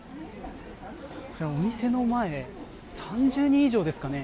お店の前、３０人以上ですかね。